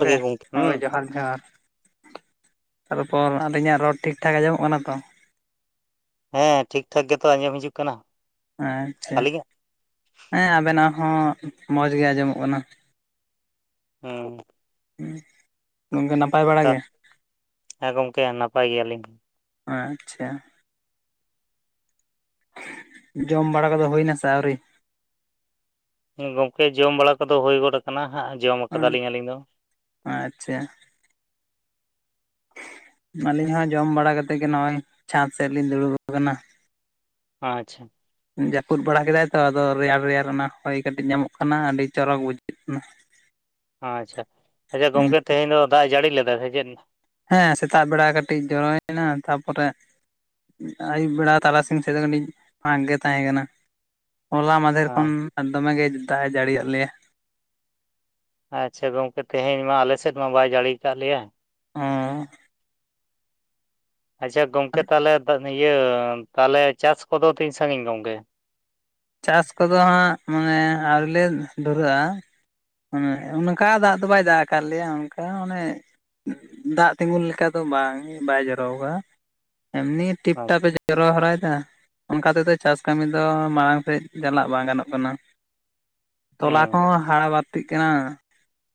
ᱟᱨ ᱜᱚᱢᱠᱮ ᱜᱮ ᱦᱩᱸ ᱦᱳᱭ ᱡᱚᱦᱟᱨ ᱡᱚᱦᱟᱨ ᱛᱟᱨᱯᱚᱨ ᱟᱹᱞᱤᱧᱟᱜ ᱨᱚᱲ ᱴᱷᱤᱠᱼᱴᱷᱟᱠ ᱟᱸᱡᱚᱢᱚᱜ ᱠᱟᱱᱟ ᱛᱚ? ᱦᱮᱸ ᱴᱷᱤᱠ ᱴᱷᱟᱠ ᱜᱮᱛᱚ ᱟᱸᱡᱚᱢ ᱦᱤᱡᱩᱜ ᱠᱟᱱᱟ᱾ ᱟᱪᱪᱷᱟ ᱟᱹᱞᱤᱧᱟᱜ ᱦᱮᱸ ᱟᱵᱮᱱᱟᱜ ᱦᱚᱸ ᱢᱚᱡᱽ ᱜᱮ ᱟᱸᱡᱚᱢᱚᱜ ᱠᱟᱱᱟ᱾ ᱦᱩᱸ ᱦᱩᱸ ᱜᱚᱝᱠᱮ ᱱᱟᱯᱟᱭ ᱵᱟᱲᱟ ᱜᱮ? ᱦᱮᱸ ᱜᱚᱝᱠᱮ ᱱᱟᱯᱟᱭ ᱜᱮᱭᱟ ᱞᱤᱧ ᱟᱪᱪᱷᱟ ᱡᱚᱢ ᱵᱟᱲᱟ ᱠᱚᱫᱚ ᱦᱩᱭᱱᱟ ᱥᱮ ᱟᱹᱣᱨᱤ? ᱜᱚᱢᱠᱮ ᱡᱚᱢ ᱵᱟᱲᱟ ᱠᱚᱫᱚ ᱦᱩᱭ ᱜᱚᱫ ᱟᱠᱟᱱᱟ ᱦᱟᱸᱜ ᱡᱚᱢ ᱟᱠᱟᱫᱟ ᱞᱤᱧ ᱟᱹᱞᱤᱧ ᱫᱚ ᱟᱪᱪᱷᱟ ᱟᱹᱞᱤᱧ ᱦᱚᱸ ᱡᱚᱢ ᱵᱟᱲᱟ ᱠᱟᱛᱮᱫ ᱜᱮ ᱱᱚᱜᱼᱚᱭ ᱪᱷᱟᱸᱫᱽ ᱥᱮᱫ ᱞᱤᱧ ᱫᱩᱲᱩᱵ ᱟᱠᱟᱱᱟ᱾ ᱟᱪᱪᱷᱟ ᱡᱟᱹᱯᱩᱫ ᱵᱟᱲᱟ ᱠᱮᱫᱟᱭ ᱛᱚ ᱟᱫᱚ ᱨᱮᱭᱟᱲ ᱨᱮᱭᱟᱲ ᱚᱱᱟ ᱦᱚᱭ ᱠᱟᱹᱴᱤᱡ ᱧᱟᱢᱚᱜ ᱠᱟᱱᱟ ᱟᱹᱰᱤ ᱪᱚᱨᱚᱠ ᱵᱩᱡᱷᱟᱹᱜ ᱠᱟᱱᱟ᱾ ᱟᱪᱪᱷᱟ, ᱟᱪᱪᱷᱟ ᱜᱚᱝᱠᱮ ᱛᱮᱦᱮᱧ ᱫᱚ ᱫᱟᱜ ᱡᱟᱹᱲᱤ ᱞᱮᱫᱟ ᱥᱮ ᱪᱮᱫ? ᱦᱮᱸ ᱥᱮᱛᱟᱜ ᱵᱮᱲᱟ ᱠᱟᱹᱴᱤᱡ ᱡᱚᱨᱚᱭᱮᱱᱟ ᱛᱟᱯᱚ ᱨᱮᱼᱼ ᱟᱹᱭᱩᱵ ᱵᱮᱲᱟ ᱛᱟᱨᱟᱥᱤᱧ ᱥᱮᱫ ᱫᱚ ᱠᱟᱹᱴᱤᱡ ᱯᱷᱟᱠ ᱜᱮ ᱛᱟᱦᱮᱸ ᱠᱟᱱᱟ᱾ ᱦᱚᱞᱟ ᱢᱟᱫᱷᱮᱨ ᱠᱷᱚᱱ ᱫᱚᱢᱮ ᱜᱮ ᱫᱟᱜ ᱮ ᱡᱟᱹᱲᱤ ᱭᱟᱜ ᱞᱮᱭᱟ᱾ ᱟᱪᱪᱷᱟ ᱜᱚᱝᱠᱮ ᱛᱮᱦᱮᱧ ᱢᱟ ᱟᱞᱮ ᱥᱮᱫ ᱢᱟ ᱵᱟᱭ ᱡᱟᱹᱲᱤ ᱟᱠᱟᱫ ᱞᱮᱭᱟ᱾ ᱚᱻ ᱟᱪᱪᱷᱟ ᱜᱚᱝᱠᱮ ᱛᱟᱦᱚᱞᱮ ᱤᱭᱟᱹ ᱛᱟᱦᱚᱞᱮ ᱪᱟᱥ ᱠᱚᱫᱚ ᱛᱤᱧ ᱥᱟᱹᱜᱤᱧ ᱜᱚᱝᱠᱮ? ᱪᱟᱥ ᱠᱚᱫᱚ ᱦᱟᱸᱜ ᱢᱟᱱᱮ ᱟᱹᱣ ᱞᱮ ᱫᱷᱩᱨᱟᱹᱜᱼᱟ᱾ ᱦᱮ ᱚᱱᱠᱟ ᱫᱟᱜ ᱫᱚ ᱵᱟᱭ ᱫᱟᱜ ᱟᱠᱟᱫ ᱞᱮᱭᱟ ᱚᱱᱠᱟ ᱚᱱᱮᱼᱼ ᱫᱟᱜ ᱛᱤᱸᱜᱩᱱ ᱞᱮᱠᱟ ᱫᱚ ᱵᱟᱝ ᱵᱟᱭ ᱡᱚᱨᱚᱣ ᱠᱟᱫᱟ ᱮᱢᱱᱤᱼᱼ ᱴᱤᱯ ᱴᱟᱯᱮ ᱡᱚᱨᱚ ᱦᱚᱨᱟᱭ ᱮᱫᱟ ᱚᱱᱠᱟ ᱛᱮᱫᱚ ᱪᱟᱥ ᱠᱟᱹᱢᱤ ᱫᱚ ᱢᱟᱲᱟᱝᱼᱼ ᱥᱮᱫ ᱪᱟᱞᱟᱜ ᱵᱟᱝ ᱜᱟᱱᱚᱜ ᱠᱟᱱᱟ ᱛᱚᱞᱟ ᱦᱩᱸ ᱠᱚᱦᱚᱸ ᱦᱟᱲᱟ ᱵᱟᱼᱼ ᱲᱛᱤᱜ ᱠᱟᱱᱟ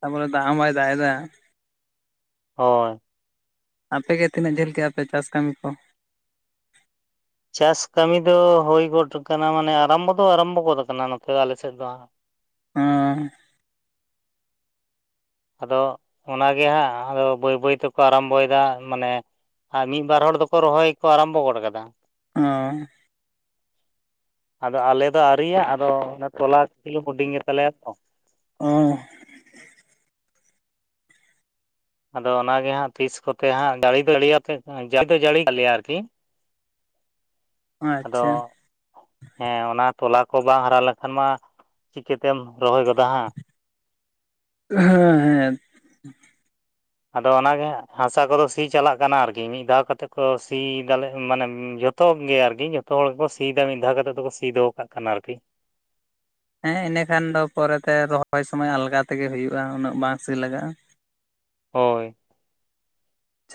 ᱛᱟᱯᱚᱨᱮ ᱫᱟᱜ ᱦᱚᱸ ᱵᱟᱭ ᱫᱟᱜ ᱮᱫᱟ, ᱦᱳᱭ ᱟᱯᱮᱜᱮ ᱛᱤᱱᱟᱹᱜ ᱡᱟᱹᱞ ᱠᱮᱜᱼᱟ ᱯᱮ ᱪᱟᱥ ᱠᱟᱹᱢᱤ ᱠᱚ? ᱪᱟᱥ ᱠᱟᱹᱢᱤ ᱫᱚ ᱦᱩᱭ ᱜᱚᱫ ᱟᱠᱟᱱᱟ ᱢᱟᱱᱮ ᱟᱨᱟᱢᱵᱚ ᱫᱚ ᱟᱨᱟᱢᱵᱚ ᱜᱚᱫ ᱟᱠᱟᱱᱟ ᱱᱚᱛᱮ ᱟᱞᱮᱥᱮᱫ ᱫᱚ ᱚᱻ ᱟᱫᱚ ᱚᱱᱟᱜᱮ ᱦᱟᱸᱜ ᱟᱫᱚ ᱵᱟᱹᱭ ᱵᱟᱹᱭ ᱛᱮᱠᱚ ᱟᱨᱟᱢᱵᱚᱭ ᱮᱫᱟ ᱢᱟᱱᱮᱼᱼ ᱟᱨ ᱢᱤᱫ ᱵᱟᱨ ᱦᱚᱲ ᱫᱚᱠᱚ ᱨᱚᱦᱚᱭ ᱠᱚ ᱟᱨᱟᱢᱵᱚ ᱜᱚᱫ ᱠᱟᱫᱟ᱾ ᱚᱻ [inaudible] ᱟᱫᱚ ᱟᱞᱮ ᱫᱚ ᱟᱹᱣᱨᱤᱟ ᱟᱫᱚ ᱛᱚᱞᱟ ᱠᱷᱤᱞᱤ ᱦᱩᱰᱤᱧ ᱜᱮᱛᱟ ᱞᱮᱭᱟ ᱛᱚ ᱚᱻ ᱟᱫᱚ ᱚᱱᱟᱜ ᱜᱮ ᱦᱟᱸᱜ ᱛᱤᱥ ᱠᱚᱛᱮ ᱦᱟᱸᱜ ᱡᱟᱹᱲᱤ ᱫᱚᱟᱹᱲᱤᱛᱮ ᱡᱟᱹᱲᱤ ᱫᱚ ᱡᱟᱹᱲᱤᱭᱟᱞᱮᱭᱟ ᱟᱨᱠᱤ, ᱚ ᱟᱫᱚᱼᱼ ᱟᱪᱪᱷᱟ ᱦᱮᱸ ᱚᱱᱟ ᱛᱚᱞᱟ ᱠᱚ ᱵᱟᱝ ᱦᱟᱨᱟ ᱞᱮᱱ ᱠᱷᱟᱱ ᱢᱟ ᱪᱤᱠᱟᱹ ᱛᱮᱢ ᱨᱚᱦᱚᱭ ᱜᱚᱫᱟ ᱦᱟᱸᱜ ᱦᱮᱸ ᱦᱮᱸᱻ ᱟᱫᱚ ᱚᱱᱟ ᱜᱮ ᱦᱟᱥᱟ ᱠᱚ ᱫᱚ ᱥᱤ ᱪᱟᱞᱟᱜ ᱠᱟᱱᱟ ᱟᱨᱠᱤ ᱢᱤᱫ ᱫᱷᱟᱣ ᱠᱟᱛᱮᱫ ᱠᱚ ᱥᱤ ᱮᱫᱟ ᱞᱮ ᱢᱟᱱᱮ ᱡᱚᱛᱚ ᱡᱚᱛᱚ ᱜᱮ ᱟᱨᱠᱤ ᱡᱚᱛᱚ ᱦᱚᱲ ᱜᱮ ᱠᱚ ᱥᱤ ᱮᱫᱟ ᱢᱤᱫ ᱫᱷᱟᱣ ᱠᱟᱛᱮ ᱫᱚ ᱠᱚ ᱥᱤ ᱫᱚᱦᱚ ᱠᱟᱜ ᱠᱟᱱᱟ ᱟᱨᱠᱤ ᱦᱮᱸ ᱤᱱᱟᱹ ᱠᱷᱟᱱ ᱫᱚ ᱯᱚᱨᱮ ᱛᱮ ᱨᱚᱦᱚᱭ ᱥᱚᱢᱚᱭ ᱟᱞᱜᱟ ᱛᱮ ᱜᱮ ᱦᱩᱭᱩᱜᱼᱟ᱾ ᱩᱱᱟᱹᱜ ᱵᱟᱝ ᱥᱤ ᱞᱟᱜᱟᱜᱼᱟ᱾ ᱦᱚᱭ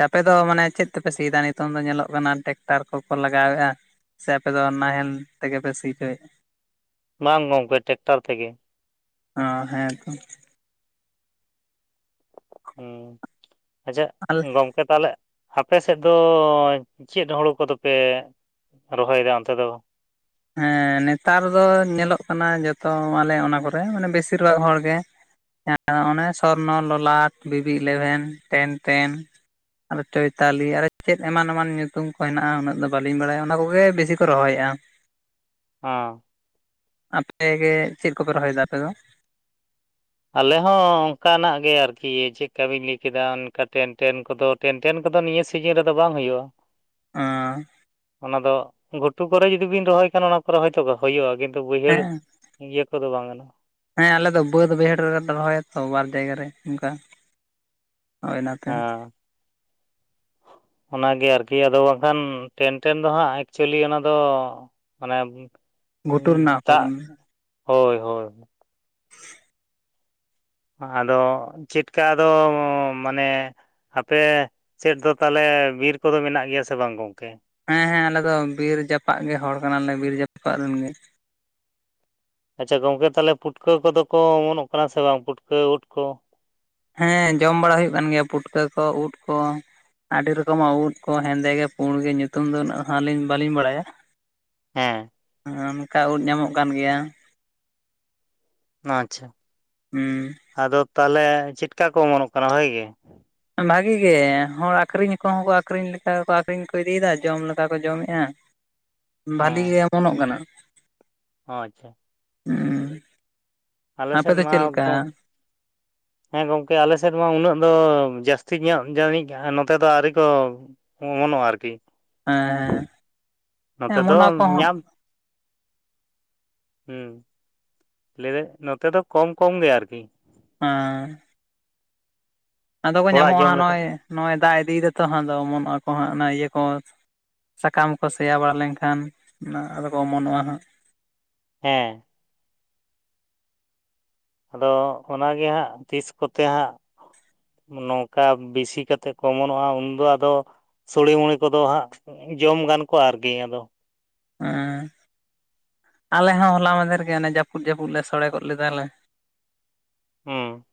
ᱟᱯᱮ ᱫᱚ ᱢᱟᱱᱮ ᱪᱮᱫ ᱛᱮ ᱯᱮ ᱥᱤ ᱮᱫᱟ ᱱᱤᱛᱚᱝ ᱫᱚ ᱧᱮᱞᱚᱜ ᱠᱟᱱᱟ ᱴᱮᱠᱴᱟᱨ ᱠᱚᱠᱚ ᱞᱟᱜᱟᱣᱮᱜᱼᱟ᱾ ᱥᱮ ᱟᱯᱮ ᱫᱚ ᱱᱟᱦᱮᱞ ᱛᱮ ᱜᱮ ᱯᱮ ᱥᱤ ᱚᱪᱚᱭ ᱫᱟ᱾ ᱵᱟᱝ ᱜᱚᱝᱠᱮ ᱴᱮᱠᱴᱟᱨ ᱛᱮ ᱜᱮ᱾ ᱚ ᱦᱮᱸ ᱛᱚ ᱦᱩᱸ ᱟᱪᱪᱷᱟ ᱟᱞᱮ ᱜᱚᱝᱠᱮ ᱛᱟᱦᱚᱞᱮ ᱟᱯᱮ ᱥᱮᱫ ᱫᱚ ᱪᱮᱫ ᱦᱩᱲᱩ ᱠᱚ ᱫᱚ ᱯᱮ ᱨᱚᱦᱚᱭ ᱮᱫᱟ ᱚᱱᱛᱮ ᱫᱚ ᱦᱮᱸ ᱱᱮᱛᱟᱨ ᱫᱚ ᱧᱮᱞᱚᱜ ᱠᱟᱱᱟ ᱡᱷᱚᱛᱚ ᱟᱞᱮ ᱚᱱᱟ ᱠᱚ ᱨᱮ ᱢᱟᱱᱮ ᱵᱮᱥᱤ ᱨᱩᱣᱟᱹᱜ ᱦᱚᱲ ᱜᱮ ᱚᱱᱮ ᱥᱚᱨᱱᱚ, ᱞᱚᱞᱟᱴ, ᱵᱤᱵᱤ, ᱤᱞᱮᱵᱷᱮᱱ, ᱦᱮᱱ ᱛᱷᱮᱱ ᱟᱨᱦᱚᱸ ᱪᱚᱭᱛᱟᱞᱤ ᱟᱨᱦᱚᱸ ᱪᱮᱫ ᱮᱢᱟᱱ ᱮᱢᱟᱱ ᱧᱩᱛᱩᱢ ᱠᱚ ᱦᱮᱱᱟᱜᱼᱟ ᱩᱱᱟᱹᱜ ᱫᱚ ᱵᱟᱹᱞᱤᱧ ᱵᱟᱲᱟᱭᱟ ᱚᱱᱟ ᱠᱚ ᱜᱮ ᱵᱮᱥᱤ ᱠᱚ ᱨᱚᱦᱚᱭᱮᱜᱼᱟ᱾ ᱚ ᱟᱯᱮ ᱜᱮ ᱪᱮᱫ ᱠᱚ ᱯᱮ ᱨᱚᱦᱚᱭ ᱮᱫᱟ ᱟᱯᱮ ᱫᱚ ᱟᱞᱮ ᱦᱚᱸ ᱚᱱᱠᱟ ᱱᱟᱜ ᱜᱮ ᱟᱨᱠᱤ ᱪᱮᱫ ᱞᱮᱠᱟ ᱵᱤᱱ ᱞᱟᱹᱭ ᱠᱮᱫᱟ ᱚᱱᱠᱟ ᱴᱮᱱ ᱴᱮᱱ ᱠᱚ ᱫᱚ ᱴᱮᱱ ᱴᱮᱱ ᱠᱚ ᱫᱚ ᱱᱤᱭᱟᱹ ᱥᱤᱡᱮᱱ ᱨᱮ ᱫᱚ ᱵᱟᱝ ᱦᱩᱭᱩᱜᱼᱟ ᱟᱸᱻ ᱚᱱᱟ ᱫᱚ ᱜᱷᱩᱴᱩ ᱠᱚ ᱨᱮ ᱡᱩᱫᱤ ᱵᱤᱱ ᱨᱚᱦᱚᱭ ᱠᱷᱟᱱ ᱚᱱᱟ ᱠᱚᱨᱮ ᱦᱚᱭ ᱛᱚ ᱦᱩᱭᱩᱜᱼᱟ ᱠᱤᱱᱛᱩ ᱵᱟᱹᱭᱦᱟᱹᱲ ᱦᱮᱸ ᱤᱭᱟᱹ ᱠᱚ ᱫᱚ ᱵᱟᱝ ᱜᱟᱱᱚᱜᱼᱟ᱾ ᱦᱮᱸ ᱟᱞᱮ ᱫᱚ ᱵᱟᱹᱫᱽ ᱵᱟᱹᱭᱦᱟᱹᱲ ᱨᱮᱞᱮ ᱨᱚᱦᱚᱭᱟ ᱛᱚ ᱵᱟᱨ ᱡᱟᱭᱜᱟ ᱨᱮ ᱚᱱᱠᱟ ᱦᱚᱭ ᱚᱱᱟ ᱛᱮ [inaudible] ᱚᱱᱟ ᱜᱮ ᱟᱨᱠᱤ ᱟᱫᱚ ᱵᱟᱝ ᱠᱷᱟᱱ ᱴᱮᱱ ᱴᱮᱱ ᱫᱚ ᱦᱟᱸᱜ ᱮᱠᱪᱩᱭᱮᱞᱤ ᱚᱱᱟ ᱫᱚ ᱢᱟᱱᱮ ᱜᱷᱩᱴᱩ ᱨᱮᱱᱟᱜ ᱦᱩᱲᱩ ᱫᱟᱜ ᱠᱟᱱᱟ ᱦᱳᱭ ᱦᱳᱭ [inaudible] ᱟᱫᱚ ᱪᱮᱫ ᱞᱮᱠᱟ ᱟᱫᱚ ᱢᱟᱱᱮ ᱟᱯᱮ ᱥᱮᱫ ᱫᱚ ᱛᱟᱦᱚᱞᱮ ᱵᱤᱨ ᱠᱚ ᱫᱚ ᱢᱮᱱᱟᱜ ᱜᱮᱭᱟ ᱥᱮ ᱵᱟᱝ ᱜᱚᱝᱠᱮ ᱦᱮᱸ ᱦᱮᱸ ᱟᱞᱮ ᱫᱚ ᱵᱤᱨ ᱡᱟᱯᱟᱜ ᱜᱮ ᱦᱚᱲ ᱠᱟᱱᱟ ᱞᱮ ᱵᱤᱨ ᱡᱟᱯᱟᱜ ᱨᱤᱱ ᱜᱮ ᱟᱪᱪᱷᱟ ᱜᱚᱝᱠᱮ ᱛᱟᱦᱚᱞᱮ ᱯᱩᱴᱠᱟᱹ ᱠᱚ ᱫᱚ ᱠᱚ ᱚᱢᱚᱱᱚᱜ ᱠᱟᱱᱟ ᱥᱮ ᱵᱟᱝ ᱯᱩᱴᱠᱟᱹᱣ ᱩᱫ ᱠᱚ ᱦᱮᱸ ᱡᱚᱢ ᱵᱟᱲᱟ ᱦᱩᱭᱩᱜ ᱠᱟᱱ ᱜᱮᱭᱟ ᱯᱩᱴᱠᱟᱹ ᱠᱚ ᱩᱫ ᱠᱚ ᱟᱹᱰᱤ ᱨᱚᱠᱚᱢᱟᱜ ᱩᱫ ᱠᱚ ᱦᱮᱸᱫᱮ ᱜᱮ ᱯᱩᱸᱰ ᱜᱮ ᱧᱩᱛᱩᱢ ᱫᱚ ᱩᱱᱟᱹᱜ ᱟᱹᱞᱤᱧ ᱵᱟᱹᱞᱤᱧ ᱵᱟᱲᱟᱭᱟ᱾ ᱦᱮ ᱚᱱᱠᱟ ᱩᱫ ᱧᱟᱢᱚᱜ ᱠᱟᱱ ᱜᱮᱭᱟ᱾ ᱟᱪᱪᱷᱟ ᱦᱩᱸ ᱟᱫᱚ ᱛᱟᱦᱞᱮ ᱪᱮᱫ ᱠᱟ ᱠᱚ ᱚᱢᱚᱱᱚᱜ ᱠᱟᱱᱟ ᱵᱷᱟᱜᱮ ᱜᱮ ᱵᱷᱟᱹᱜᱮ ᱜᱮ ᱦᱚᱲ ᱟᱠᱷᱨᱤᱧᱟ ᱠᱚᱦᱚᱸ ᱠᱚ ᱟᱹᱠᱷᱨᱤᱧ ᱞᱮᱠᱟ ᱠᱚ ᱟᱹᱠᱷᱨᱤᱧ ᱠᱚ ᱤᱫᱤ ᱮᱫᱟ ᱡᱚᱢ ᱞᱮᱠᱟ ᱠᱚ ᱡᱚᱢᱮᱜᱼᱟ᱾ [inaudible] ᱵᱷᱟᱹᱞᱤ ᱜᱮ ᱚᱢᱚᱱᱚᱜ ᱠᱟᱱᱟ᱾ ᱚ ᱟᱪᱪᱷᱟ ᱦᱩᱸ ᱟᱞᱮ ᱟᱯᱮ ᱥᱮᱫ ᱫᱚ ᱢᱟ ᱪᱮᱫ ᱞᱮᱠᱟ᱾ ᱮᱠᱫᱚᱢ [inaudible] ᱦᱮᱸ ᱜᱚᱝᱠᱮ ᱟᱞᱮ ᱥᱮᱫ ᱢᱟ ᱩᱱᱟᱹᱜ ᱫᱚ ᱡᱟᱹᱥᱛᱤ ᱧᱚᱜ ᱡᱟᱹᱱᱤᱡ ᱱᱚᱛᱮ ᱫᱚ ᱟᱹᱣᱨᱤ ᱠᱚ ᱦᱚᱸᱜ-ᱚ ᱱᱟᱣᱟ ᱟᱨᱠᱤ᱾ ᱦᱮᱸ ᱦᱮᱸ ᱱᱚᱛᱮ ᱫᱚ ᱚᱢᱚᱱᱚᱜ ᱟᱠᱚ ᱦᱚᱸ ᱧᱟᱢ, ᱦᱩᱸ, ᱞᱟᱹᱭᱮᱫᱟᱧ ᱱᱚᱛᱮ ᱫᱚ ᱠᱚᱢ ᱠᱚᱢ ᱜᱮ ᱟᱨᱠᱤ᱾ ᱟᱸᱻ᱾ ᱟᱫᱚ ᱠᱚ ᱚᱲᱟᱜ ᱧᱟᱢᱚᱜᱼᱟ ᱡᱚᱢ ᱦᱟᱸᱜ, ᱞᱮᱠᱟ ᱱᱚᱜᱼᱚᱭ ᱱᱚᱜᱼᱚᱭ ᱫᱟᱜ ᱤᱫᱤ ᱮᱫᱟᱭ ᱛᱚ ᱦᱟᱸᱜ ᱟᱫᱚ ᱚᱢᱚᱱᱚᱜ ᱟᱠᱚ ᱦᱟᱸᱜ ᱚᱱᱟ ᱤᱭᱟᱹ ᱠᱚ ᱥᱟᱠᱟᱢ ᱠᱚ ᱥᱮᱭᱟ ᱵᱟᱲᱟ ᱞᱮᱱᱠᱷᱟᱱ, ᱚᱱᱟ ᱟᱫᱚ ᱠᱚ ᱚᱢᱚᱱᱚᱜᱼᱟ ᱦᱟᱸᱜ᱾ ᱦᱮᱸ᱾ ᱟᱫᱚ ᱚᱱᱟ ᱜᱮ ᱦᱟᱸᱜ ᱛᱤᱥ ᱠᱚᱛᱮ ᱦᱟᱸᱜ ᱱᱚᱝᱠᱟ ᱵᱤᱥᱤ ᱠᱟᱛᱮᱜ ᱠᱚ ᱚᱢᱚᱱᱚᱜᱼᱟ ᱩᱱᱫᱚ ᱟᱫᱚ ᱼᱼ ᱥᱳᱲᱮ ᱢᱳᱲᱳ ᱠᱚᱫᱚ ᱦᱟᱸᱜ ᱡᱚᱢ ᱜᱟᱱ ᱠᱚᱜ-ᱟ ᱟᱨᱠᱤ, ᱟᱫᱚ ᱦᱮᱸ᱾ ᱟᱞᱮ ᱦᱚᱸ ᱦᱚᱞᱟ ᱢᱟᱫᱷᱮᱨ ᱜᱮ ᱚᱱᱮ ᱡᱟᱯᱩᱫ ᱡᱟᱯᱩᱫ ᱞᱮ ᱥᱚᱲᱮ ᱜᱚᱫ ᱞᱮᱫᱟ ᱞᱮ᱾ ᱦᱩᱸ᱾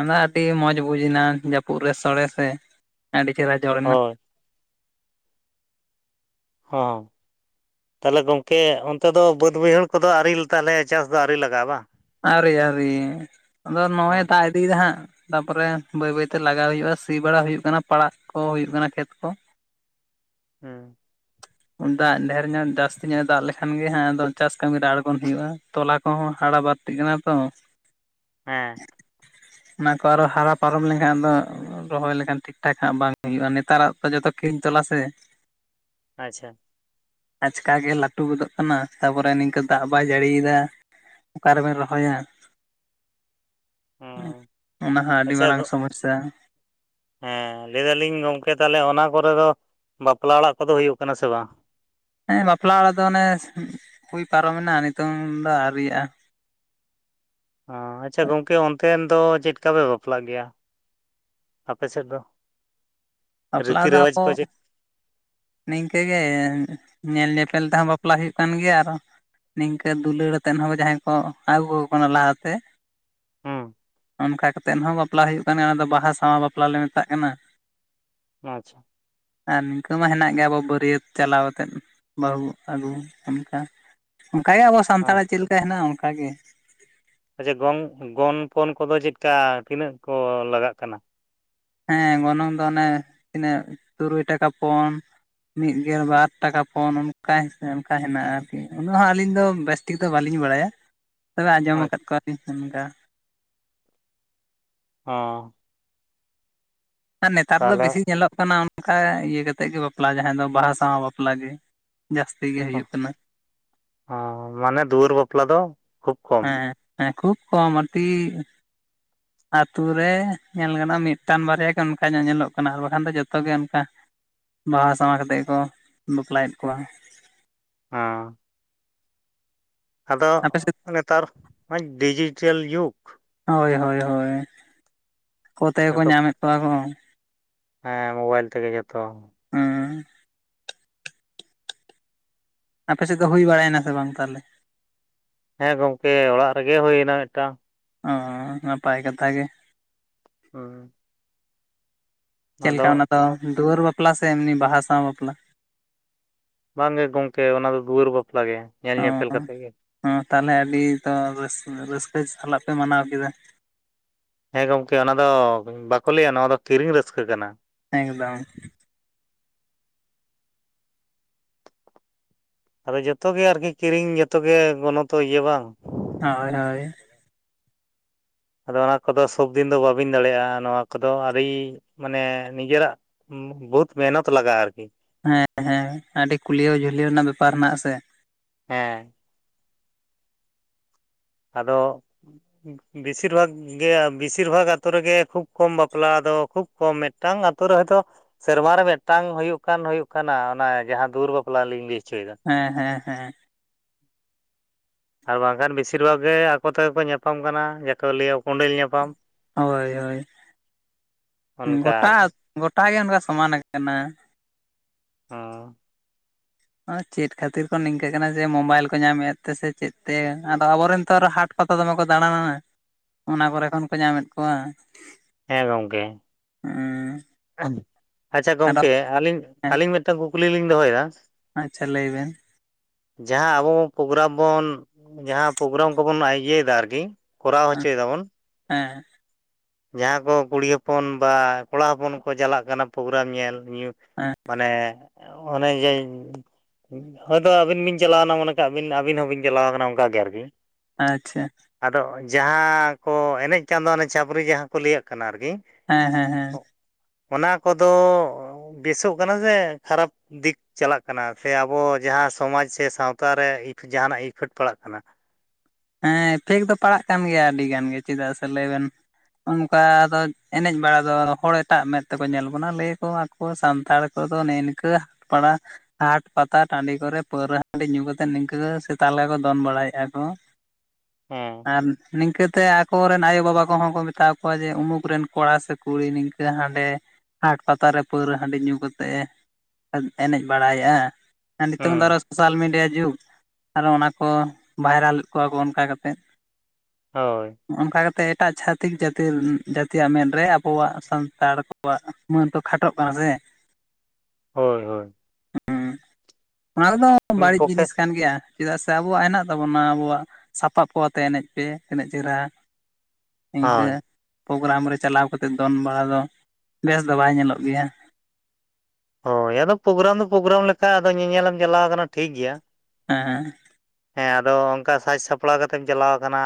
ᱚᱱᱟ ᱫᱚ ᱟᱰᱤ ᱢᱚᱡᱽ ᱵᱩᱡᱱᱟ ᱡᱟᱯᱩᱜ ᱨᱮ ᱥᱚᱲᱮ ᱥᱮ, ᱟᱰᱤ ᱪᱮᱦᱮᱨᱟ ᱡᱚᱲᱮᱱᱟ᱾ ᱦᱳᱭ ᱦᱚᱸ᱾ ᱛᱟᱦᱚᱞᱮ ᱜᱚᱝᱠᱮ, ᱚᱱᱛᱮ ᱫᱚ ᱵᱟᱹᱫᱽ ᱵᱟᱹᱭᱦᱟᱹᱲ ᱠᱚᱫᱚ ᱟᱣᱨᱤ ᱛᱟᱦᱞᱮ ᱪᱟᱥ ᱫᱚ ᱟᱣᱨᱤ ᱞᱟᱜᱟᱜᱼᱟ ᱵᱟᱝ? ᱟᱣᱨᱤ ᱟᱣᱨᱤ, ᱟᱫᱚ ᱱᱚᱜ-ᱚᱭ ᱦᱮᱸ ᱫᱟᱜᱼᱼ ᱤᱫᱤᱭᱟ ᱫᱟ ᱦᱟᱸᱜ, ᱛᱟᱯᱚᱨᱮ ᱵᱟᱹᱭ ᱵᱟᱹᱭ ᱛᱮ ᱞᱟᱜᱟᱣ ᱦᱩᱭᱩᱜᱼᱟ ᱥᱤ ᱵᱟᱲᱟ ᱦᱩᱭᱩᱜ ᱠᱟᱱᱟ ᱯᱟᱲᱟᱜ ᱠᱚ ᱦᱩᱭᱩᱜ ᱠᱟᱱᱟ ᱠᱷᱮᱛ ᱠᱚ᱾ ᱦᱩᱸ᱾ ᱫᱟᱜ ᱰᱷᱮᱨ ᱧᱚᱜ ᱡᱟᱥᱛᱤ ᱧᱚᱜ ᱮ ᱫᱟᱜ ᱞᱮᱠᱷᱟᱱ ᱜᱮ ᱦᱟᱸᱜ ᱟᱫᱚ ᱪᱟᱥ ᱠᱟᱢᱤ ᱨᱮ ᱟᱬᱜᱚᱱ ᱦᱩᱭᱩᱜᱼᱟ, ᱛᱚᱞᱟ ᱠᱚᱦᱚᱸ ᱦᱟᱲᱟ ᱵᱟᱲ ᱛᱤᱜ ᱠᱟᱱᱟ ᱛᱚ᱾ ᱦᱮᱸ᱾ ᱚᱱᱟ ᱠᱚ ᱟᱨᱚ ᱦᱟᱨᱟ ᱯᱟᱨᱚᱢ ᱞᱮᱱᱠᱷᱟᱱ ᱫᱚ ᱨᱚᱦᱚᱭ ᱞᱮᱠᱷᱟᱱ ᱴᱷᱤᱠ ᱴᱷᱟᱠ ᱦᱟᱸᱜ ᱵᱟᱝ ᱦᱩᱭᱩᱜᱼᱟ, ᱱᱮᱛᱟᱨᱟᱜ ᱛᱚ ᱡᱚᱛᱚ ᱠᱤᱨᱤᱧ ᱛᱚᱞᱟ ᱥᱮ᱾ ᱟᱪᱪᱷᱟ᱾ ᱟᱪᱠᱟ ᱜᱮ ᱞᱟᱴᱩ ᱜᱚᱫᱚᱜ ᱠᱟᱱᱟ, ᱛᱟᱯᱚᱨᱮ ᱱᱤᱝᱠᱟᱹ ᱫᱟᱜ ᱵᱟᱭ ᱡᱟᱹᱲᱤᱭᱮᱫᱟ᱾ ᱚᱠᱟ ᱨᱮᱵᱮᱱ ᱨᱚᱦᱚᱭᱟ᱾ ᱦᱩᱸ ᱚᱱᱟ ᱦᱚᱸ ᱟᱰᱤ ᱟᱪᱪᱷᱟ ᱢᱟᱨᱟᱝ ᱟᱫᱚ ᱥᱚᱢᱚᱥᱥᱟ᱾ ᱦᱮᱸ ᱞᱟᱹᱭ ᱫᱟᱞᱤᱧ ᱜᱚᱝᱠᱮ ᱛᱟᱦᱚᱞᱮ ᱚᱱᱟ ᱠᱚᱨᱮ ᱫᱚ ᱼᱼ ᱵᱟᱯᱞᱟ ᱚᱲᱟᱜ ᱠᱚᱫᱚ ᱦᱩᱭᱩᱜ ᱠᱟᱱᱟ ᱥᱮ ᱵᱟᱝ? ᱦᱮᱸ ᱵᱟᱯᱞᱟ ᱚᱲᱟᱜ ᱫᱚ ᱚᱱᱮ, ᱦᱩᱭ ᱯᱟᱨᱚᱢᱮᱱᱟ ᱱᱤᱛᱚᱝ ᱫᱚ ᱟᱣᱨᱤᱭᱟᱜᱼᱟ᱾ ᱚ, ᱟᱪᱪᱷᱟ ᱜᱚᱝᱠᱮ ᱚᱱᱛᱮᱱ ᱫᱚ ᱪᱮᱫᱠᱟ ᱯᱮ ᱵᱟᱯᱞᱟᱜ ᱜᱮᱭᱟ? ᱟᱯᱮ ᱥᱮᱫ ᱫᱚ, ᱵᱟᱯᱞᱟ ᱨᱤᱛᱤ ᱫᱚ ᱨᱮᱣᱟᱡᱽ ᱟᱵᱚ ᱠᱚ ᱪᱮᱫ? ᱱᱤᱝᱠᱟᱹ ᱜᱮ, ᱧᱮᱞ ᱧᱮᱯᱮᱞ ᱛᱮᱦᱚᱸ ᱵᱟᱯᱞᱟ ᱦᱩᱭᱩᱜ ᱠᱟᱱ ᱜᱮᱭᱟ ᱟᱨᱚ, ᱱᱤᱝᱠᱟᱹ ᱫᱩᱞᱟᱹᱲ ᱟᱛᱮᱱ ᱦᱚᱸ ᱡᱟᱦᱟᱸᱭ ᱠᱚ ᱟᱜᱩ ᱠᱟᱠᱚ ᱠᱟᱱᱟ ᱞᱟᱦᱟ ᱛᱮ ᱦᱩᱸ᱾ ᱚᱱᱠᱟ ᱠᱟᱛᱮᱱ ᱦᱚᱸ ᱵᱟᱯᱞᱟ ᱦᱩᱭᱩᱜ ᱠᱟᱱᱟ, ᱚᱱᱟ ᱫᱚ ᱵᱟᱦᱟ ᱥᱟᱶᱟᱭ ᱵᱟᱯᱞᱟ ᱞᱮ ᱢᱮᱛᱟᱜ ᱠᱟᱱᱟ᱾ ᱟᱪᱪᱷᱟ᱾ ᱟᱨ ᱱᱤᱝᱠᱟᱹ ᱢᱟ ᱦᱮᱱᱟᱜ ᱼᱼ ᱜᱮ ᱟᱵᱚ ᱵᱟᱹᱨᱤᱭᱟᱹᱛ ᱪᱟᱞᱟᱣ ᱟᱛᱮᱫ ᱵᱟᱹᱦᱩ ᱟᱜᱩ ᱚᱱᱠᱟ, ᱚᱱᱠᱟᱜᱮ ᱟᱵᱚ ᱼᱼ ᱦᱮᱸ ᱥᱟᱱᱛᱟᱲᱟᱜ ᱪᱮᱜ ᱞᱮᱠᱟ ᱦᱮᱱᱟᱜᱼᱟ ᱚᱱᱠᱟ ᱜᱮ᱾ ᱟᱪᱪᱷᱟ ᱜᱚᱝ, ᱜᱚᱱ ᱯᱚᱱ ᱠᱚᱫᱚ ᱪᱮᱫᱠᱟ ᱛᱤᱱᱟᱹᱜ ᱠᱚ ᱞᱟᱜᱟᱜ ᱠᱟᱱᱟ? ᱦᱮᱸ ᱜᱚᱱᱚᱝ ᱫᱚ ᱚᱱᱮ ᱛᱤᱱᱟᱹᱜ, ᱛᱩᱨᱩᱭ ᱴᱟᱠᱟ ᱯᱚᱱ, ᱢᱤᱫ ᱜᱮᱞ ᱵᱟᱨ ᱴᱟᱠᱟ ᱯᱚᱱ ᱚᱱᱠᱟ ᱦᱤᱥ ᱚᱱᱠᱟ ᱦᱮᱱᱟᱜᱼᱟ ᱟᱨᱠᱤ, ᱩᱱᱟᱹᱜ ᱦᱚᱸ ᱟᱹᱞᱤᱧ ᱫᱚ ᱵᱮᱥ ᱼᱼ ᱴᱷᱤᱠ ᱫᱚ ᱵᱟᱞᱤᱧ ᱵᱟᱲᱟᱭᱟ, ᱛᱚᱵᱮ ᱟᱸᱡᱚᱢ ᱟᱪᱪᱷᱟ ᱠᱟᱫ ᱠᱚᱣᱟᱞᱤᱧ ᱚᱱᱠᱟ᱾ ᱦᱚᱸ᱾ ᱱᱮᱛᱟᱨ ᱫᱚ ᱛᱟᱦᱚᱞᱮ ᱵᱤᱥᱤ ᱧᱮᱞᱚᱜ ᱠᱟᱱᱟ ᱚᱱᱠᱟ ᱤᱭᱟᱹ ᱠᱟᱛᱮᱜ ᱜᱮ ᱵᱟᱯᱞᱟ ᱡᱟᱦᱟᱸ ᱫᱚ ᱵᱟᱦᱟ ᱥᱟᱶ ᱵᱟᱯᱞᱟ ᱜᱮ ᱡᱟᱥᱛᱤ ᱜᱮ ᱦᱩᱭᱩᱜ ᱠᱟᱱᱟ᱾ ᱦᱸ ᱢᱟᱱᱮ ᱫᱩᱣᱟᱹᱨ ᱵᱟᱯᱞᱟ ᱫᱚ ᱠᱷᱩᱵ ᱠᱚᱼᱼ ᱦᱮᱸ ᱦᱮᱸ ᱠᱷᱩᱵ ᱠᱚᱢ ᱟᱨᱠᱤ [inaudible] ᱟᱛᱩ ᱨᱮ ᱧᱮᱞ ᱜᱟᱱᱚᱜᱼᱟ ᱢᱤᱫᱴᱟᱝ ᱵᱟᱨᱭᱟ ᱜᱮ ᱚᱱᱠᱟ ᱧᱚᱜ ᱧᱮᱞᱚᱜ ᱠᱟᱱᱟ ᱟᱨ ᱵᱟᱠᱷᱟᱱ ᱫᱚ ᱡᱚᱛᱚ ᱜᱮ ᱚᱱᱠᱟ᱾ ᱵᱟᱦᱟ ᱥᱟᱶᱟ ᱠᱟᱛᱮᱫ ᱜᱮᱠᱚ ᱵᱟᱯᱞᱟᱭᱮᱫ ᱠᱚᱣᱟ᱾ ᱦᱚᱸ, ᱟᱫᱚ ᱟᱯᱮ ᱥᱮᱫ ᱱᱮᱛᱟᱨ ᱢᱟ ᱰᱤᱡᱤᱴᱮᱞ ᱡᱩᱜᱽ, ᱦᱳᱭ ᱦᱳᱭ ᱦᱳᱭ ᱟᱠᱚ ᱛᱮᱜᱮ ᱠᱚ ᱡᱚᱛᱚ ᱧᱟᱢᱮᱫ ᱠᱚᱣᱟ ᱠᱚ, ᱦᱮᱸ ᱢᱳᱵᱟᱭᱤᱞ ᱛᱮᱜᱮ ᱡᱚᱛᱚ᱾ ᱦᱮᱸ, ᱟᱯᱮ ᱥᱮᱫ ᱫᱚ ᱦᱩᱭ ᱵᱟᱲᱟᱭᱮᱱᱟ ᱥᱮ ᱵᱟᱝ ᱛᱟᱦᱚᱞᱮ? ᱦᱮᱸ ᱜᱚᱝᱠᱮ ᱚᱲᱟᱜ ᱨᱮᱜᱮ ᱦᱩᱭᱱᱟ ᱢᱤᱫᱴᱟᱝ ᱾ ᱦᱚᱸ ᱱᱟᱯᱟᱭ ᱠᱟᱛᱷᱟ ᱜᱮ, ᱦᱩᱸ, ᱪᱮᱫ ᱟᱫᱚ ᱞᱮᱠᱟ ᱚᱱᱟ ᱫᱚ ᱫᱩᱣᱟᱹᱨ ᱵᱟᱯᱞᱟ ᱥᱮ ᱮᱢᱱᱤ ᱵᱟᱦᱟ ᱥᱟᱶ ᱵᱟᱯᱞᱟ? ᱵᱟᱝ ᱜᱮ ᱜᱚᱝᱠᱮ ᱚᱱᱟ ᱫᱚ ᱫᱩᱣᱟᱹᱨ ᱵᱟᱯᱞᱟ ᱜᱮ ᱧᱮᱞ ᱧᱮᱯᱮᱞ ᱠᱟᱛᱮᱫ ᱜᱮ᱾ ᱦᱸ ᱛᱟᱦᱚᱞᱮ ᱟᱹᱰᱤ ᱛᱚ ᱨᱟᱹ ᱨᱟᱹᱥᱠᱟᱹ ᱥᱟᱞᱟᱜ ᱯᱮ ᱢᱟᱱᱟᱣ ᱠᱮᱫᱟ᱾ ᱦᱮᱸ ᱜᱚᱢᱠᱮ ᱚᱱᱟ ᱫᱚ ᱵᱟᱠᱚ ᱞᱟᱹᱭᱟ ᱱᱚᱣᱟ ᱫᱚ ᱠᱤᱨᱤᱧ ᱨᱟᱹᱥᱠᱟᱹ ᱠᱟᱱᱟ, ᱮᱠᱫᱚᱢ, ᱟᱫᱚ ᱡᱚᱛᱚ ᱜᱮ ᱟᱨᱠᱤ ᱠᱤᱨᱤᱧ ᱡᱚᱛᱚ ᱜᱮ ᱜᱚᱱᱚ ᱛᱚ ᱤᱭᱟᱹ ᱵᱟᱝ, ᱦᱳᱭ ᱦᱳᱭ, ᱟᱫᱚ ᱚᱱᱟ ᱠᱚᱫᱚ ᱥᱚᱵᱫᱤᱱ ᱫᱚ ᱵᱟᱹᱵᱤᱱ ᱫᱟᱲᱮᱭᱟᱜᱼᱟ ᱱᱚᱣᱟ ᱠᱚᱫᱚ ᱟᱹᱰᱤ ᱢᱟᱱᱮ ᱱᱤᱡᱮᱨᱟᱜ ᱵᱚᱦᱩᱛ ᱢᱮᱦᱱᱚᱛ ᱞᱟᱜᱟᱜ-ᱟ ᱟᱨᱠᱤ᱾ ᱦᱮᱸ ᱦᱮᱸ ᱟᱹᱰᱤ ᱠᱩᱞᱤᱭᱟᱹᱣ ᱡᱷᱩᱞᱭᱟᱹᱣ ᱨᱮᱱᱟᱜ ᱵᱮᱯᱟᱨ ᱦᱮᱱᱟᱜᱼᱟ ᱥᱮ, ᱦᱮᱸ, ᱟᱫᱚ ᱵᱮᱥᱤᱨ ᱵᱷᱟᱜᱽ ᱜᱮ ᱵᱤᱥᱤᱨ ᱵᱷᱟᱜᱽ ᱟᱛᱳ ᱨᱮᱜᱮ ᱠᱷᱩᱵ ᱠᱚᱢ ᱵᱟᱯᱞᱟ ᱫᱚ ᱠᱷᱩᱵ ᱠᱚᱢ ᱢᱤᱫᱴᱟᱝ ᱟᱛᱳ ᱨᱮ ᱦᱚᱭᱛᱳ ᱥᱮᱨᱢᱟ ᱨᱮ ᱢᱤᱫᱴᱟᱝ, ᱦᱩᱭᱩᱜ ᱠᱟᱱ ᱦᱩᱭᱩᱜ ᱠᱟᱱᱟ ᱚᱱᱟ ᱡᱟᱦᱟᱸ ᱫᱩᱣᱟᱹᱨ ᱵᱟᱯᱞᱟ ᱞᱤᱧ ᱞᱟᱹᱭ ᱦᱚᱪᱚᱭᱮᱫᱟ᱾ ᱦᱮᱸ ᱦᱮᱸ ᱦᱮᱸ, ᱟᱨ ᱵᱟᱝᱠᱷᱟᱱ ᱵᱮᱥᱤᱨ ᱵᱷᱟᱜᱽ ᱜᱮ ᱟᱠᱚ ᱛᱮᱜᱮ ᱠᱚ ᱧᱟᱯᱟᱢ ᱠᱟᱱᱟ ᱡᱟᱦᱟᱸᱠᱚ ᱞᱟᱹᱭᱟ ᱠᱚᱸᱰᱮᱞ ᱧᱟᱯᱟᱢ᱾ ᱦᱳᱭ ᱦᱳᱭ ᱚᱱᱠᱟ ᱜᱚᱴᱟ ᱟᱨᱠᱤ ᱜᱚᱴᱟ ᱜᱮ ᱚᱱᱠᱟ ᱥᱚᱢᱟᱱ ᱟᱠᱟᱱᱟ᱾ ᱦᱸ ᱪᱮᱫ ᱠᱷᱟᱹᱛᱤᱨ ᱠᱚ ᱱᱤᱝᱠᱟᱹ ᱠᱟᱱᱟ ᱡᱮ ᱢᱳᱵᱟᱭᱤᱞ ᱠᱚ ᱧᱟᱢᱮᱫ ᱛᱮᱥᱮ ᱪᱮᱫ ᱛᱮ ᱟᱫᱚ ᱟᱵᱚᱨᱮᱱ ᱛᱚ ᱟᱨ ᱦᱟᱴ ᱯᱟᱛᱟ ᱫᱚᱢᱮ ᱠᱚ ᱫᱟᱬᱟᱱᱟ ᱚᱱᱟ ᱠᱚᱨᱮ ᱠᱷᱚᱱ ᱠᱚ ᱧᱟᱢᱮᱫ ᱠᱚᱣᱟ᱾ ᱦᱮᱸ ᱜᱚᱢᱠᱮ, ᱦᱸ, ᱟᱪᱪᱷᱟ ᱜᱚᱝᱠᱮ ᱟᱹᱞᱤᱧ ᱟᱹᱞᱤᱧ ᱢᱤᱫᱴᱟᱝ ᱠᱩᱠᱞᱤ ᱞᱤᱧ ᱫᱚᱦᱚᱭᱟ? ᱟᱪᱪᱷᱟ ᱞᱟᱹᱭᱵᱮᱱ᱾ ᱡᱟᱦᱟᱸ ᱟᱵᱚ ᱯᱨᱳᱜᱨᱟᱢ ᱵᱚᱱ ᱡᱟᱦᱟᱸ ᱯᱨᱳᱜᱨᱟᱢ ᱠᱚᱵᱚᱱ ᱤᱭᱟᱹᱭᱮᱫᱟ ᱟᱨᱠᱤ ᱠᱚᱨᱟᱣ ᱦᱚᱪᱚᱭ ᱫᱟᱵᱚᱱ, ᱦᱮᱸ, ᱡᱟᱦᱟᱸ ᱠᱚ ᱠᱩᱲᱤ ᱦᱚᱯᱚᱱ ᱵᱟᱸ ᱠᱚᱲᱟ ᱦᱚᱯᱚᱱ ᱠᱚ ᱪᱟᱞᱟᱜ ᱠᱟᱱᱟ ᱯᱨᱳᱜᱨᱟᱢ ᱧᱮᱞ ᱧᱩ ᱦᱮᱸ ᱢᱟᱱᱮ ᱚᱱᱮ ᱡᱮ ᱦᱳᱭᱛᱚ ᱟᱹᱵᱤᱱ ᱵᱤᱱ ᱪᱟᱞᱟᱣᱱᱟ ᱢᱚᱱᱮ ᱠᱟᱜᱰᱤᱱ ᱟᱹᱵᱤᱱ ᱦᱚᱸᱵᱤᱱ ᱪᱟᱞᱟᱣ ᱟᱠᱟᱱᱟ ᱚᱱᱠᱟ ᱜᱮ ᱟᱨᱠᱤ᱾ ᱟᱪᱪᱷᱟ ᱟᱫᱚ ᱡᱟᱦᱟᱸ ᱠᱚ ᱮᱱᱮᱡ ᱠᱟᱱ ᱫᱚ ᱪᱷᱟᱹᱯᱨᱤ ᱡᱟᱦᱟᱸ ᱠᱚ ᱞᱮᱭᱟᱹᱜ ᱠᱟᱱᱟ ᱟᱨᱠᱤ ᱦᱮᱸ ᱦᱮᱸ ᱦᱮᱸ᱾ ᱚᱱᱟ ᱠᱚᱫᱚ ᱵᱮᱥᱚᱜ ᱠᱟᱱᱟ ᱥᱮ ᱠᱷᱟᱨᱟᱯ ᱫᱤᱠ ᱪᱟᱞᱟᱜ ᱠᱟᱱᱟ ᱥᱮ ᱟᱵᱚ ᱡᱟᱦᱟᱸ ᱥᱚᱢᱟᱡᱽ ᱥᱮ ᱥᱟᱶᱛᱟ ᱨᱮ ᱡᱟᱦᱟᱱᱟᱜ ᱤᱯᱷᱮᱠᱴ ᱯᱟᱲᱟᱜ ᱠᱟᱱᱟ᱾ ᱦᱮᱸ ᱤᱯᱷᱮᱠᱴ ᱫᱚ ᱯᱟᱲᱟᱜ ᱠᱟᱱ ᱜᱮᱭᱟ ᱟᱹᱰᱤ ᱜᱟᱱ ᱜᱮ ᱪᱮᱫᱟᱜ ᱥᱮ ᱞᱟᱹᱭ ᱵᱮᱱ ᱚᱱᱠᱟ ᱟᱫᱚ ᱮᱱᱮᱡ ᱵᱟᱲᱟ ᱫᱚ ᱦᱚᱲ ᱮᱴᱟᱜ ᱢᱮᱫ ᱛᱮᱠᱚ ᱧᱮᱞ ᱵᱚᱱᱟ ᱞᱟᱹᱭ ᱟᱠᱚ ᱟ ᱠᱚ ᱥᱟᱱᱛᱟᱲ ᱠᱚᱫᱚ ᱱᱮᱜ ᱱᱤᱠᱟᱹ ᱵᱟᱲᱟ ᱦᱟᱴ ᱯᱟᱛᱟ ᱴᱟᱺᱰᱤ ᱠᱚᱨᱮ ᱯᱟᱹᱣᱨᱟᱹ ᱦᱟᱺᱰᱤ ᱧᱩ ᱠᱟᱛᱮᱫ ᱱᱤᱝᱠᱟᱹ ᱥᱮᱛᱟ ᱞᱮᱠᱟ ᱠᱚ ᱫᱚᱱ ᱵᱟᱲᱟᱭᱮᱫᱼᱟ ᱠᱚ ᱦᱮᱸ ᱟᱨ ᱱᱤᱝᱠᱟᱹᱛᱮ ᱟᱠᱚᱨᱮᱱ ᱟᱭᱳ ᱵᱟᱵᱟ ᱠᱚᱦᱚᱸ ᱠᱚ ᱢᱮᱛᱟ ᱠᱚᱣᱟ ᱡᱮ ᱩᱢᱩᱠ ᱨᱮᱱ ᱠᱚᱲᱟ ᱥᱮ ᱠᱩᱲᱤ ᱱᱤᱝᱠᱟᱹ ᱦᱟᱸᱰᱮ ᱦᱟᱴ ᱯᱟᱛᱟᱨᱮ ᱯᱟᱹᱣᱨᱟᱹ ᱦᱟᱺᱰᱤ ᱧᱩ ᱠᱟᱛᱮᱫ ᱮ ᱮᱱᱮᱡ ᱵᱟᱲᱟᱭᱮᱫᱼᱟ᱾ ᱟᱨ ᱱᱤᱛᱚᱝ ᱫᱚ ᱦᱮᱸ ᱟᱨᱚ ᱥᱳᱥᱟᱞ ᱢᱤᱰᱤᱭᱟ ᱡᱩᱜᱽ ᱟᱨᱚ ᱚᱱᱟ ᱠᱚ ᱵᱷᱟᱭᱨᱟᱞᱮᱫ ᱠᱚᱣᱟ ᱠᱚ ᱚᱱᱠᱟ ᱠᱟᱛᱮ, ᱦᱳᱭ ᱚᱱᱠᱟ ᱠᱟᱛᱮᱜ ᱮᱴᱟᱜ ᱪᱷᱟᱹᱛᱤᱠ ᱡᱟᱹᱛᱤ ᱡᱟᱹᱛᱤᱭᱟᱜ ᱢᱮᱫ ᱨᱮ ᱟᱵᱚᱣᱟᱜ ᱥᱟᱱᱛᱟᱲ, ᱟᱵᱚᱣᱟᱜ ᱢᱟᱹᱱ ᱛᱚ ᱠᱷᱟᱴᱚᱜ ᱠᱟᱱᱟ ᱥᱮ᱾ ᱦᱳᱭ ᱦᱳᱭ ᱦᱩᱸᱜ ᱩ ᱚᱱᱟ ᱠᱚᱫᱚ ᱢᱤᱫ ᱵᱟᱹᱲᱤᱡ ᱯᱚᱠᱠᱷᱮ ᱡᱤᱱᱤᱥ ᱠᱟᱱ ᱜᱮᱭᱟ ᱾ ᱪᱮᱫᱟᱜ ᱥᱮ ᱟᱵᱚᱣᱟᱜ ᱦᱮᱱᱟᱜ ᱛᱟᱵᱚᱱᱟ ᱟᱵᱚᱣᱟᱜ ᱥᱟᱯᱟᱵ ᱠᱚ ᱟᱛᱮ ᱮᱱᱮᱡ ᱯᱮ ᱛᱤᱱᱟᱹᱜ ᱪᱮᱦᱨᱟ᱾ ᱤᱱᱠᱟᱹ ᱦᱳᱭ ᱯᱳᱜᱨᱟᱢ ᱨᱮ ᱪᱟᱞᱟᱣ ᱠᱟᱛᱮᱫ ᱫᱚᱱ ᱵᱟᱲᱟ ᱫᱚ ᱵᱮᱥ ᱫᱚ ᱵᱟᱭ ᱧᱮᱞᱚᱜ ᱜᱮᱭᱟ᱾ ᱦᱳᱭ ᱟᱫᱚ ᱯᱳᱜᱨᱟᱢ ᱫᱚ ᱯᱳᱜᱨᱟᱢ ᱞᱮᱠᱟ ᱟᱫᱚ ᱧᱮᱧᱮᱞᱮᱢ ᱪᱟᱞᱟᱣ ᱟᱠᱟᱱᱟ ᱴᱷᱤᱠ ᱜᱮᱭᱟ᱾ ᱦᱮᱸ ᱦᱮᱸ ᱟᱫᱚ ᱚᱱᱠᱟ ᱥᱟᱡᱽ ᱥᱟᱯᱲᱟᱣ ᱠᱟᱛᱮᱢ ᱪᱟᱞᱟᱣ ᱟᱠᱟᱱᱟ᱾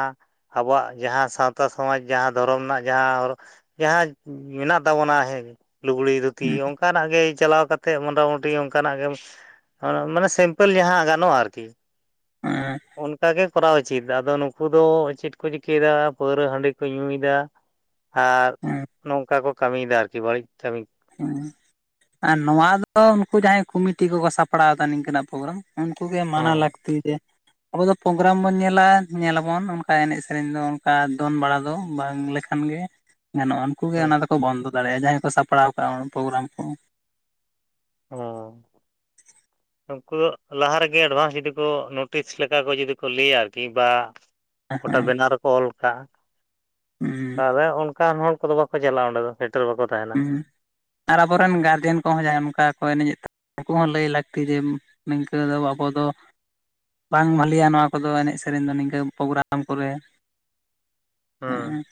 ᱟᱵᱚᱣᱟᱜ ᱡᱟᱦᱟᱸ ᱥᱟᱶᱛᱟ ᱥᱚᱢᱟᱡᱽ ᱡᱟᱦᱟᱸ ᱫᱷᱚᱨᱚᱢ ᱨᱮᱱᱟᱜ ᱡᱟᱦᱟᱸ ᱦᱚᱨᱚᱜ ᱡᱟᱦᱟᱸ ᱢᱮᱱᱟᱜ ᱛᱟᱵᱚᱱᱟ ᱦᱮᱸᱜᱮ ᱞᱩᱜᱽᱲᱤ ᱫᱷᱩᱛᱤ ᱚᱱᱠᱟᱱᱟᱜ ᱜᱮ, ᱪᱟᱞᱟᱣ ᱠᱟᱛᱮᱜ ᱢᱚᱴᱟ ᱢᱩᱴᱤ ᱚᱱᱠᱟᱱᱟᱜ ᱜᱮ ᱢᱟᱱᱮ ᱥᱤᱢᱯᱮᱞ ᱡᱟᱦᱟᱸ ᱜᱟᱱᱚᱜᱼᱟ ᱟᱨᱠᱤ᱾ [unintelligible] ᱚᱱᱠᱟᱜᱮ ᱠᱚᱨᱟᱣ ᱩᱪᱤᱛ ᱟᱫᱚ ᱱᱩᱠᱩ ᱫᱚ ᱪᱮᱫ ᱠᱚ ᱪᱤᱠᱟᱹᱭᱫᱟ ᱯᱟᱹᱣᱨᱟᱹ ᱦᱟᱺᱰᱤ ᱠᱚ ᱧᱩᱭᱫᱟ᱾ ᱟᱨ ᱦᱮᱸ ᱱᱚᱝᱠᱟ ᱠᱚ ᱠᱟᱹᱢᱤᱭᱮᱫᱟ ᱟᱨᱠᱤ ᱵᱟᱹᱲᱤᱡ ᱠᱟᱹᱢᱤ, ᱦᱩ ᱟᱨ ᱱᱚᱣᱟ ᱫᱚ ᱩᱱᱠᱩ ᱡᱟᱦᱟᱸᱭ ᱠᱩᱢᱤᱴᱤ ᱠᱚᱠᱚ ᱥᱟᱯᱲᱟᱣ ᱮᱫᱟ ᱱᱤᱝᱠᱟᱹᱱᱟᱜ ᱯᱳᱜᱨᱟᱢ, ᱩᱱᱠᱩ ᱜᱮ ᱢᱟᱱᱟ ᱦᱮᱸ ᱞᱟᱹᱠᱛᱤ ᱡᱮ ᱟᱵᱚ ᱫᱚ ᱯᱳᱜᱨᱟᱢ ᱵᱚᱱ ᱧᱮᱞᱟ ᱧᱮᱞᱟᱵᱚᱱ ᱚᱱᱠᱟ ᱮᱱᱮᱡ ᱥᱮᱨᱮᱧ ᱫᱚ ᱚᱱᱠᱟ ᱫᱚᱱ ᱵᱟᱲᱟ ᱫᱚ ᱵᱟᱝ ᱞᱮᱠᱷᱟᱱ ᱜᱮ, ᱜᱟᱱᱚᱜᱼᱟ ᱩᱱᱠᱩ ᱜᱮ ᱦᱮᱸ ᱚᱱᱟ ᱫᱚᱠᱚ ᱵᱚᱱᱫᱚ ᱫᱟᱲᱮᱭᱟᱜᱼᱟ ᱡᱟᱦᱟᱸᱭ ᱠᱚ ᱥᱟᱯᱲᱟᱣ ᱠᱟᱜᱼᱟ ᱯᱳᱜᱨᱟᱢ ᱠᱚ ᱦᱩᱸ [inaudible] ᱩᱱᱩᱠᱩ ᱞᱟᱦᱟ ᱨᱮᱜᱮ ᱮᱰᱵᱷᱟᱱᱥ ᱡᱩᱫᱤ ᱠᱚ ᱱᱳᱴᱤᱥ ᱞᱮᱠᱟ ᱠᱚ ᱡᱩᱫᱤ ᱠᱚ ᱞᱟᱹᱭᱟ ᱟᱨᱠᱤ ᱵᱟ ᱜᱚᱴᱟ ᱦᱮᱸ ᱵᱮᱱᱟᱨ ᱨᱮᱠᱚ ᱚᱞ ᱠᱟᱜᱼᱟ ᱛᱟᱦᱚᱞᱮ ᱚᱱ ᱚᱱᱠᱟᱱ ᱦᱚᱲ ᱠᱚᱫᱚ ᱵᱟᱠᱚ ᱪᱟᱞᱟᱜᱼᱟ ᱚᱸᱰᱮ ᱫᱚ ᱥᱮᱴᱮᱨ ᱵᱟᱠᱚ ᱛᱟᱦᱮᱱᱟ ᱦᱩᱸ ᱟᱨ ᱟᱵᱚᱨᱮᱱ ᱜᱟᱨᱡᱮᱱ ᱠᱚᱦᱚᱸ ᱡᱟᱦᱟᱸᱭ ᱚᱱᱠᱟ ᱠᱚ ᱮᱱᱮᱡ ᱩᱱᱠᱩ ᱦᱚᱸ ᱞᱟᱹᱭ ᱞᱟᱹᱠᱛᱤ ᱡᱮ ᱱᱤᱝᱠᱟᱹ ᱫᱚ ᱟᱵᱚ ᱫᱚ ᱵᱟᱝ ᱵᱷᱟᱞᱤᱭᱟ ᱱᱚᱣᱟ ᱠᱚᱫᱚ ᱮᱱᱮᱡ ᱥᱮᱨᱮᱧ ᱫᱚ ᱱᱤᱝᱠᱟᱹ ᱯᱳᱜᱨᱟᱢ ᱠᱚᱨᱮ ᱦᱩᱸ ᱦᱮᱸ᱾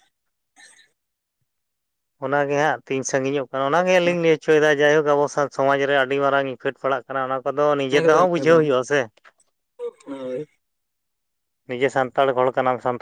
ᱚᱱᱟᱜᱮ ᱦᱟᱸᱜ ᱛᱤᱧ ᱥᱟᱺᱜᱤᱧᱚᱜ ᱠᱟᱱᱟ ᱚᱱᱟ ᱜᱮ ᱟᱸᱞᱤᱧ ᱞᱟᱹᱭ ᱦᱚᱪᱚᱭᱮᱫᱟ ᱡᱟᱭᱦᱳᱠ ᱟᱵᱚ ᱥᱚᱢᱟᱡᱽ ᱨᱮ ᱟᱹᱰᱤ ᱢᱟᱨᱟᱝ ᱤᱯᱷᱮᱰ ᱯᱟᱲᱟᱜ ᱠᱟᱱᱟ, ᱠᱟᱱᱟ ᱚᱱᱟ ᱠᱚᱫᱚ ᱱᱤᱡᱮ ᱮᱠᱫᱚᱢ ᱛᱮᱦᱚᱸ ᱵᱩᱡᱷᱟᱹᱣ ᱮᱠᱫᱚᱢ ᱦᱩᱭᱩᱜᱼᱟ ᱥᱮ, ᱦᱳᱭ ᱱᱤᱡᱮ ᱥᱟᱱᱛᱟᱲ ᱦᱚᱲ ᱠᱟᱱᱟᱢ ᱥᱟᱱᱛᱟᱲ᱾